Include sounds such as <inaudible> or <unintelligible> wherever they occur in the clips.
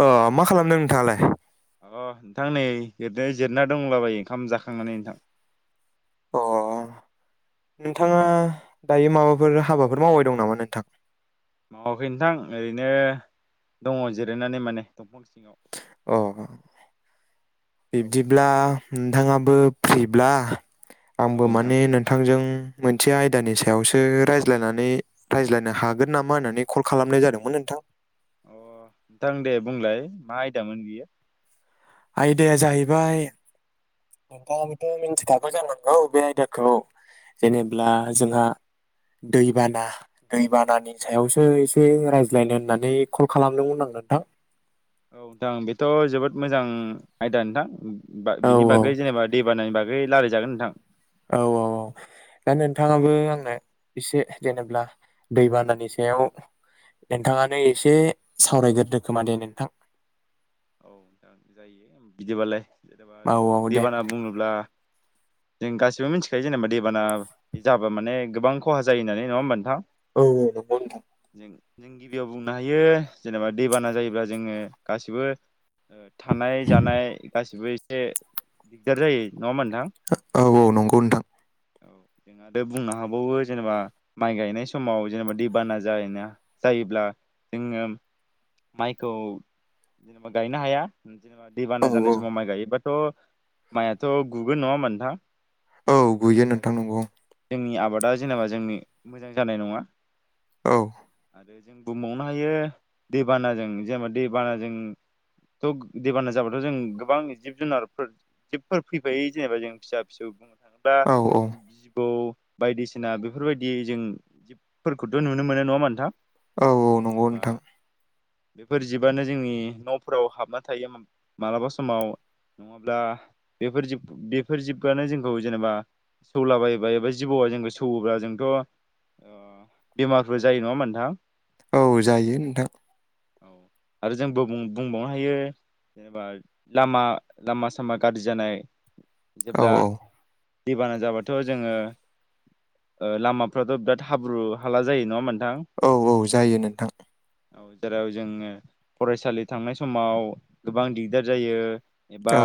अ मा खालामदों नोंथाङालाय? अ नोंथां नै ओरैनो जिरायना दंला बायो ओंखाम जाखांनानै नोंथां। अ नोंथाङा दायो माबाफोर हाबाफोर मावबाय दं नामा नोंथां? मावाखै नोंथां ओरैनो दङ जिरायनानै माने दंफां सिङाव। अ औ नोंथां बिब्दिब्ला नोंथाङा बो फ्रिब्ला औ आंबो नोंथां माने नोंथांजों मोनसे आयदानि सायावसो रायज्लायनानै रायज्लायनो हागोन नामा होननानै कल खालामनाय जादोंमोन नोंथां? अ नोंथां दे बुंलाय मा आयदामोन बियो? आयदाया जाहैबाय नोंथाङाबोथ' मिन्थिखागौ जानांगौ बे आयदाखौ जेनेब्ला जोंहा दैबाना दैबानानि सायावसो एसे रायज्लायनो होननानै कल खालामदोंमोन आं नोंथां। औ नोंथां बेथ' जोबोद मोजां आयदा नोंथां। बा औ बिनि बागै जेनेबा दै बानानि बा गै लायराय जागोन नोंथां। औ औ औ दा औ नोंथाङाबो नोंथां आंनो एसे जेनेब्ला दैबानानि सायाव नोंथाङानो एसे सावरायग्रोदो खोमा दे नोंथां। औ जागोन जायो बिदिबालाय। जेनेबा औ जों औ दे देबाना बुङोब्ला जों गासिबो मिन्थिखायो जेनेबा दैेबाना जाबा माने गोबां खहा जायो होननानै नङा होमबा नोंथां? औ औ नंगौ नोंथां। जों जों गिबियाव बुंनो हायो जेनेबा दैबाना जायोब्ला जोङो गासिबो ओ थानाय जानाय गासिबो एसे दिगदार जायो। नङा होमबा नोंथां औ औ नंगौ नोंथां। औ जों आरो बुंनो हाबावो जेनेबा माइ गायनाय समाव जेनेबा दैबाना जायोना जायोब्ला जोङो माइखौ जेन हुदायैनो हाया जनेबा दै औ बाना औ जानाय समाव माइ गायो बाट थ माइयाथ गुगोन नङाहोमबा नोंथां औ गुयो नोंथां नंगौ बादा जेनेबा जोंनि मोजां जानाय नङा औ बे जों बुंबावनो हायो दैबानाजों जेनेबा दैबानाजों थ' दैबाना जाबाथ' जों गोबां जिब जुनारफोर जिबफोर फैफायो जेनेबा जों फिसा फिसौ बा औ औ जिबौ बायदिसिना बेफोरबायदि जों जिबफोरखौथ' नुनो मोनो नङा होमबा नोंथां औ औ नंगौ जेनेबा नोंथां बेफोर जिबआनो जोंनि न'फ फोराव हाबना थायो मालाबा समाव नङाब्ला बेफोर जिब बेफोर जिबआनो जोंखौ जेनेबा सौलाबायोबा एबा जिबौआ जोंखौ सौवोबा जोंथ' बेमारफोर जायो नङा मोनानथां औ जायो नोंथां औ आरो जोंबो बुं बुंबावनो हायो जेनेबा लामा लामा सामा गाज्रि जानाय औ जेब्ला औ दैबाना जाबाथ' जोङो ओ लामाफ्राथ' बिराद हाब्रु हाला जायो नङा होम औ औ जायो नोंथां औ जेराव जोङो फरायसालि थांनाय समाव गोबां दिगदार जायो एबा औ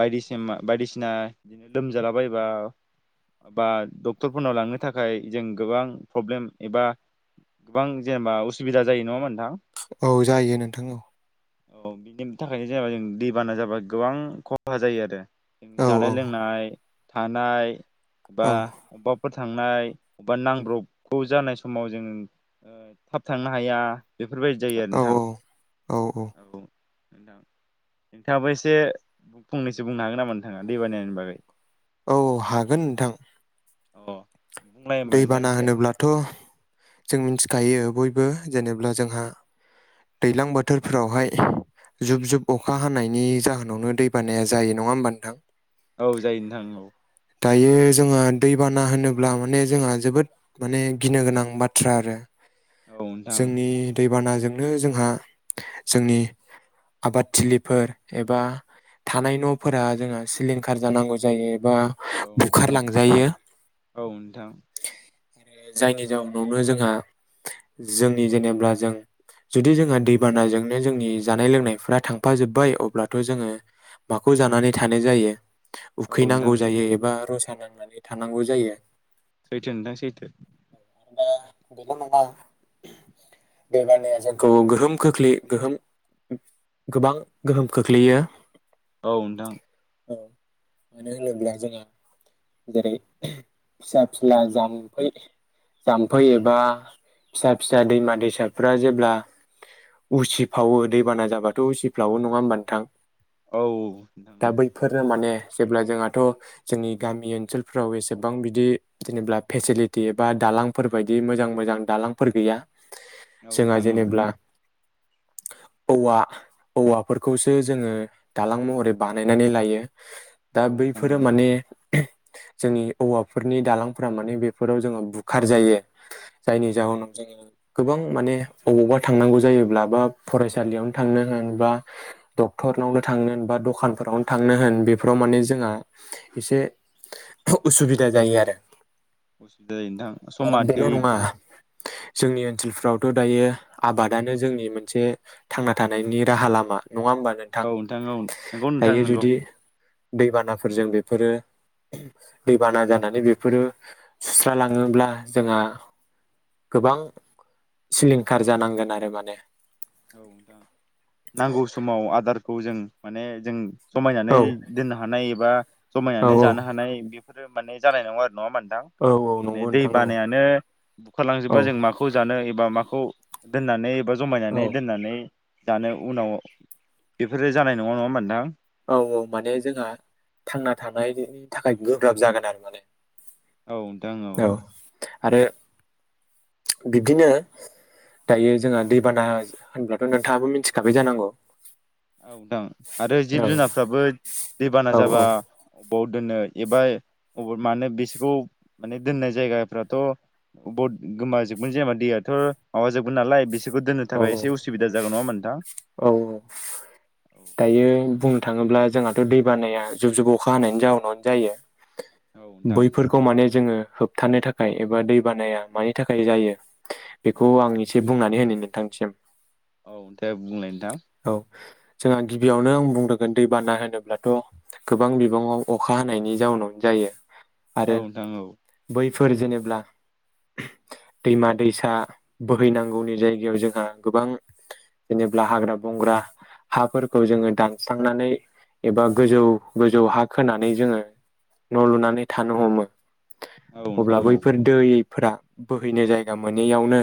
बायदिसिबा बायदिसिना बिदिनो लोमजालाबायायोबा बा डक्टरफोरनाव लांनो थाखाय जों गोबां प्रब्लेम एबा गोबां जेनेबा उसुबिदा जायो नङा मोन नोंथां औ जायो नोंथां औ औ बिनि थाखायनो जेनबा जों दैबाना जाबा गोबां खहा जायो आरो जों औ जानाय लोंनाय थानाय बा औ अबाब फोर थांनाय अबबा नांब्रबगौ जानाय समाव जोङो ओ थाब थांनो हाया बेफोरबायदि जायो आरो नोंथां औ नोंथां नोंथाङाबो एसे फंनैसो बुंनो हागोन नामा नोंथाङा दै बानायनि बागै औ औ हागोन नोंथां अ बुंलाय होमबा दै नोंथां बाना एसे होनोब्लाथ' जों मिथिखायो बय बो जेनेब्ला जोंहा दैज्लां बोथोरफोरावहाय जुब जुब अखा हानायनि जाहोनावनो दै बानाया जायो नङा होमबा नोंथां औ जायो नोंथां औ दायो जोङो दैबाना होनोब्ला माने जोंहा जोबोद माने गिनो गोनां बाथ्रा आरो <inaudible> जोंनि दै बानाजोंनो जोंहा जोंनि आबादथिलिफोर एबा थानाय न'फोरा जोंहा सिलिंखार जानांगौ जायो एबा औ नोंथां बुखारलांजायो औ नोंथां जायनि जाउनावनो जोंहा जोंनि जेनेबा जों जुदि जोंहा दैबानाजोंनो जोंनि जानाय लोंनायफ्रा थांफाजोबबाय अब्लाथ' जोङो माखौ जानानै थानाय जायो औ नोथांसै ओ रसा नांनानै थानांगौ जायो सैथो नोंथां सैथो दा बेल नङा दैबानाया जोंखौ गोहोम खोख्लैयो गोहोम गोबां गोहोम खोख्लैयो औ नोंथां <inaudible> जोङो जेरै फिसा फिला जामफै जाम्फै एबा फिसा फिसा दैमा दैसाफ्रा जेब्ला उसिफावो दैबाना जाबाथ उसिफ्लावो नङा होमबानोथां? औ नोंथां <inaudible> औ दा बैफोरो माने जेब्ला जोंहाथ जोंनि गामि ओनसोलफोराव एसेबां बिदि जेनेबा फेसिलिटि एबा दालांफोर बायदि मोजां मोजां दालांफोर गैया जोंहा नोंथां औ जेनेब्ला <inaudible> औवा औवाफोरखौसो जोङो दालां महरै बानायनानै लायो। दा औ नोंथां औ <unintelligible> जोंनि औाफोरनि दालांफोरा मान बेफोराव जोङो बुखार जायो जायनि औ जाहोनाव जोङो गोबां माने अबावबा थांनांगौ जायोब्ला बा फरायसालियावनो थांनो होन बा डक्टरनावनो थांनो होन बा दखानफोरावनो थांनो होन बे बेफोराव माने औ जोंहा एसे उसुबिदा जायो आरो आरो बेल' नङा <unintelligible> जोंनि ओनसोलफ्रावथ दायो आबादानो जोंनि मोनसे थांना थानायनि राहा लामा नङा होमबा नोंथां औ औ नंगौ नोंथां दायो नंगौ जुदि दै बाना फोरजों बेफोरो दैबाना जानानै बेफोरो सुस्रालाङोब्ला जोंहा गोबां सिलिंखार जानांगोन आरो माने <inaudible> नांगौ समाव आदार खौ जों माने जों औ खमायनानै दोननो हानाय एबा औ जमायनानै जानो हानाय बेफोरो माने जानाय नङा आरो नङामोन नोंथां औ औ माने नंगौ दै नोंथां औ बानायानो बुखारलांजोबा जों औ माखौ जानो बा माखौ दोननानै एबा औ जमायनानै दानो उनाव बेफोरो जानाय नङा नङा होमबा नोंथां? औ औ माने जोंहा थांना थानायनि थाखाय गोब्राब जागोन आरो माने औ नोंथां औ। आरो बिब्दिनो दायो जोंहा दैबाना होनब्लाथ नोंथाङाबो मिथिखाबाय जानांगौ। औ नोंथां। आरो जिब औ जुनारफ्राबो दैबाना औ जाबा बबाव दोननो एबा अब मानो बिसोरखौ माने दोननाय जायगाफ्राथ बबबाव गोमाजोबगोन जेनेबा दैयाथ माबाजोबगोन नालाय बिसोर खौ दोननो औ थाखाय एसे उसुबिदा जागोन नंङा होनबा नोंथां औ <inaudible> दायो बुं नो थांङोब्ला जोंहाथ' दै बानाया जुब जुब अखा हानायनि जााहोनावनो जायो नोंथां? औ नोंथां बैफोरखौ माने जोंङो होबथानो थाखाय थाखाय एबा दै बानाया मानि थाखाय जायो बेखौ आं एसे बुंनानै होनि नोंथांसिम औ दे दे बुंलाय नोंथां औ जोंहा गिबियावनो आं बुंग्रुगोन दैबाना होनोब्लाथ गोबां बिबांङाव अखा हानायनि जाउनावनो जायो। औ नोंथां औ फोर जेनेब्ला दैमा दैसा बोहैनांगौनि जायगायाव जोंहा गोबां जेनेबब्ला हाग्रा बंग्रा हाफोरखौ जोङो दानस्रांनानै एबा गोजौ गोजौ हा खोनानै जोङो न लुनानै थानो हमो नोंथां अब्ला औ बैफोर दै फोरा बोहैनो जायगा मोनैयावनो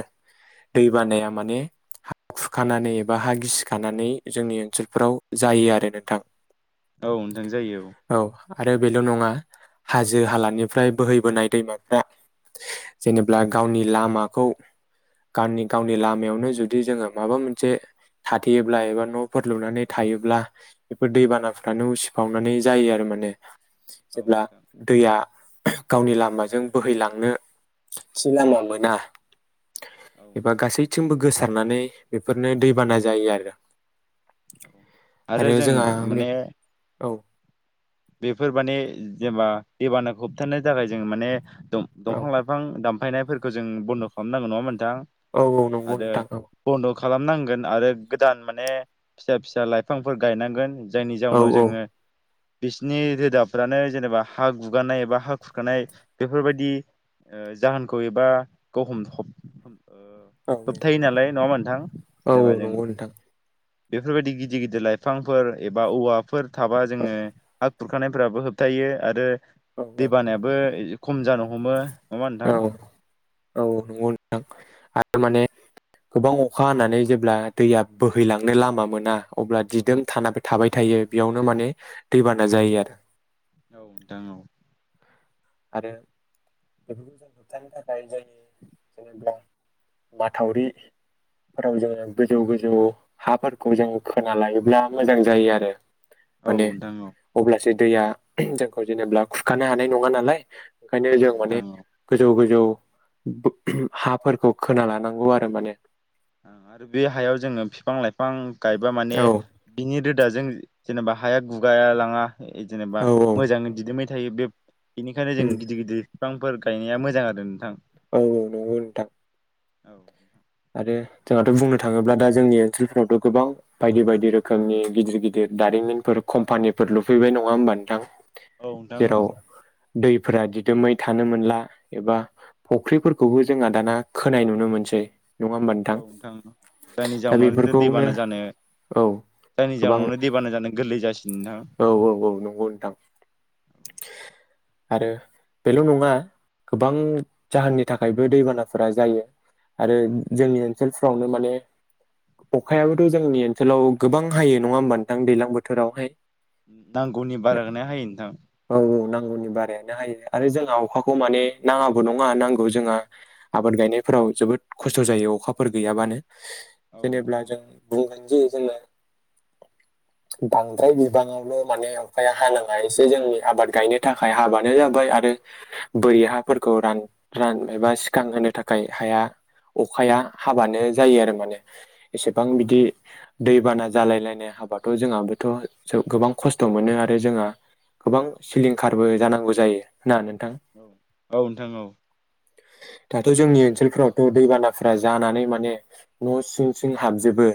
दै बानाया माने हा खुर खानानै एबा हा गिसि खानानै जोंनि ओनसोलफोराव जायो आरो नोंथां औ नोंथां जायो औ आरो बेल नङा हाजो हालानिफ्राय बोहैबोनाय दैमाफ्रा औ जेनेब्ला गावनि लामाखौ गावनि गावनि लामायावनो जुदि जोङो माबा मोनसे थाथेयोब्ला एबा न'फोर लुनानै थायोब्ला बेफोर औ दैबानाफ्रानो उ सिफावनानै जायो आरो माने। औ जेब्ला नोंथां दैया <unintelligible> गावनि लामाजों बोहैलांनो थि लामा मोना औ एबा नोंथां औ गासैथिंबो गोसा रनानै बेफोरनो दैबाना जायो आरो आरो जों जोंहा बे माने औ बेफोर माने जेनेबा दैबानाखौ होबथानो थाखाय जों माने औ दंफां लाइफां दामफां यनायफोरखौ जों बन्द खालामनांगौ नंङा होनबा नोंथां औ औ नंगौ आरो नोंथां औ बन्द' खालामनांगोन आरो गोदान माने फिसा फिसा लाइफांफोर गायनांगोन। जायनि औ जाउनाव औ जोङो बिसोरनि रोदाफ्रानो जेनेबा हा गुगारनाय एबा हा खुरखानाय बेफोरबायदि जाहोनखौ एबा हम औ फोबथायो नालाय नङा मोनथां औ जेनेबा जों नंगौ नोंथां बेफोरबायदि गिदिर गिदिर लाइफांफोर एबा औवा फोर थाबा जोङो औ हग खुरखानायफोराबो होबथायो आरो दै औ बानायाबो खम जानो हमो नङा औ नोंथां? औ नंगौ थारमाने गोबां अखा हानानै जेब्ला दैया बोहैलांनो लामा मोना अब्ला दिदों थाना थाबाय थायो बेयावनो माने दैबाना जायो आरो औ नोंथां औ आरो बेफोरखौ जों होबथानो थाखाय जोंनि जेनेबा माथावरिफोराव जोङो गोजौ गोजौ हाफोरखौ जों खोना लायोब्ला मोजां जायो आरो औ माने नोंथां औ अब्लासो दैया जोंखौ जेनेबा खुरखानो हानाय नङा नालाय ओंखायनो औ जों बे नोंथां औ गोजौ गोजौ हाफोरखौ खोना लानांगौ आरो माने आरो बे हायाव जोङो बिफां लाइफां गायबा माने औ बिनि दाजों जेनेबा हाया गुगा लाङा जेनेबा औ मोजाङै दिदबाय थ थायो बे बेनिखायनो जों उम गिदिर गिदिर बिफांफोर गायनाया मोजां आरो नोंथां औ नंगौ नोंथां औ आरो जोंहाथ' बुंनो थाङोब्ला दा जोंनि ओनसोलफोरावथ' गोबां बायदि बायदि रोखोमनि गिदिर गिदिर दारिमिनफोर कम्पानिफोर लुफैबाय नङा होमबा नोंथां औ नोंथां औ जेराव दैफोरा दिदोमै थानो मोनला एबा फुख्रिफोरखौबो जोंहा दाना खोनाय नुनो मोनसै नङा होमबा औ नोंथां जायनि दा जाउनाव बेफोरखौनो दैबाना जानो औ जायनि गोबां जाउनावनो दैबाना जानो गोरलै जासिनो नोंथाङा औ औ औ नंगौ नोंथां आरो बेल' नङा गोबां जाहोननि थाखायबो दैबानाफोरा जायो आरो जोंनि ओनसोलफ्रावनो माने अखायाबोथ' जोंनि ओनसोलाव गोबां हायो नङा होमबा नोंथां दैज्लां औ बोथोरावहाय नांगौनि बारा हायो नोंथां। <unintelligible> बारायनो हायो आरो जोंहा अखाखौ माने नाङाबो नङा नांगौ जोंहा आबाद गायनायफ्राव जोबोद खस्थ' खस्थ' जायो अखाफोर गैयाबानो औ नोंथां जेनेब्ला औ जों <unintelligible> जे जोङो बांद्राय बिबाङावनो माने अखाया हानाङा एसे जोंनि आबाद गायनो थाखाय हाबानो जाबाय आरो बोरि हाफोरखौ रान -रान एबा सिखां होनो थाखाय हाया अखाया हाबानो जायो आरो माने एसेबां बिदि दैबाना जालाय लायनाय हाबाथ' जोंहाबोथ' गोबां खस्थ' मोनो आरो जोंहा गोबां सिलिंखारबो जानांगौ जायो। ना नोंथां औ -औ नोंथां औ। दाथ' जोंनि ओनसोलफोरावथ' दैबाना <unintelligible> जानानै माने न' सिं सिं हाबजोबो।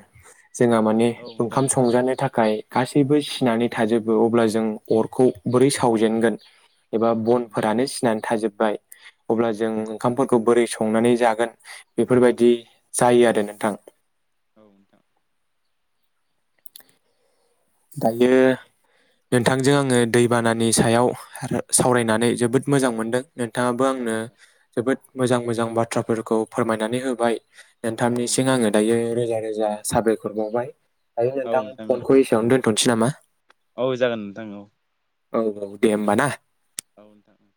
जोंहा माने औ ओंखाम नोंथां संजानो थाखाय गासैबो सिनानै थाजोबो अब्ला जों अरखौ बोरै सावजेनगोन। एबा औ नोंथां बनफोरानो सिनानै थाजोबबाय अब्ला औ जों ओंखामफोरखौ बोरै <unintelligible> संनानै जागोन। बेफोरबायदि जायो आरो नोंथां। औ नोंथां। दायो नोंथांजों आङो दैबानानि सायाव सावरायनानै जोबोद मोजां मोनदों। नोंथाङाबो औ आंनो नोंथां जोबोद मोजां -मोजां बाथ्राफोरखौ फोरमायनानै होबाय। औ नोंथांनिसिम आङो नोंथां दायो रोजा -रोजा साबायखर बावबाय। दायो औ नोंथां फनखौ एसेयावनो दोन <unintelligible> नामा? औ जागोन नोंथां औ। औ -औ दे होम्बा ना? औ नोथां।